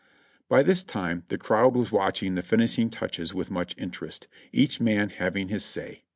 By this time the crowd was watching the finishing touches with much interest, each man having his say.